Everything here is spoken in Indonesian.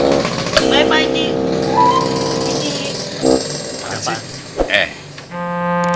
baik pak aji